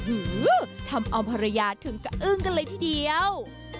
อื้อหือทำออมภรรยาถึงกะอึ้งกันเลยทีเดียว